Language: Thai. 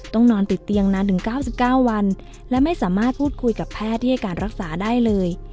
นอนติดเตียงนานถึง๙๙วันและไม่สามารถพูดคุยกับแพทย์ที่ให้การรักษาได้เลย